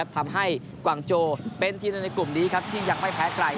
ทำให้กวางโจเป็นที่ในกลุ่มนี้ที่ยังไม่แพ้ไกล